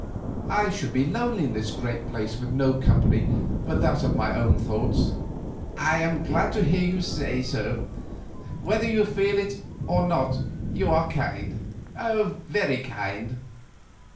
I should be lonely in this great place with no company but that of my own thoughts." "I am glad to hear you say so. Whether you feel it or not you are kind, very kind."